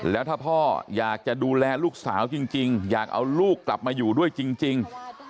แล้วถ้าพ่ออยากจะดูแลลูกสาวจริงอยากเอาลูกกลับมาอยู่ด้วยจริง